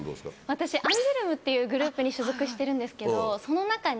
私アンジュルムっていうグループに所属してるんですけどその中に。